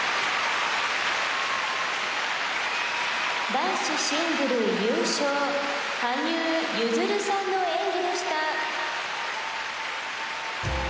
「男子シングル優勝羽生結弦さんの演技でした」。